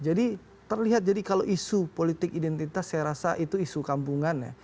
jadi terlihat kalau isu politik identitas saya rasa itu isu kampungan